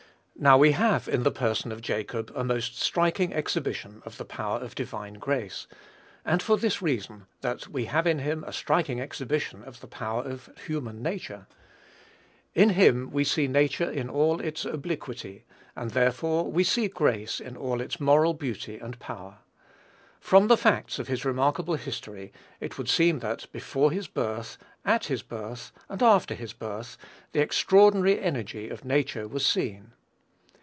Now, we have in the person of Jacob a most striking exhibition of the power of divine grace; and for this reason, that we have in him a striking exhibition of the power of human nature. In him we see nature in all its obliquity, and therefore we see grace in all its moral beauty and power. From the facts of his remarkable history, it would seem that, before his birth, at his birth, and after his birth, the extraordinary energy of nature was seen.